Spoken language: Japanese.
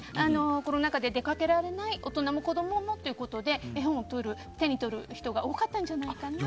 コロナ禍で出かけられない大人も子供もということで絵本を手に取る人が多かったんじゃないかなと。